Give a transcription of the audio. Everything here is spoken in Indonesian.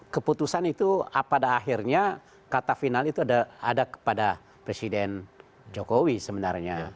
keputusan itu pada akhirnya kata final itu ada kepada presiden jokowi sebenarnya